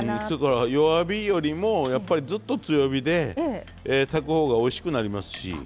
そやから弱火よりもやっぱりずっと強火で炊く方がおいしくなりますし。